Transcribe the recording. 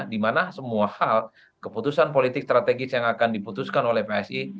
dimana semua hal keputusan politik strategis yang akan diputuskan oleh psi